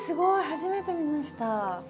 初めて見ました。